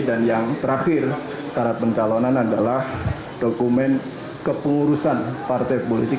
dan yang terakhir syarat pencalonan adalah dokumen kepengurusan partai politik